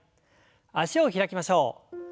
脚を開きましょう。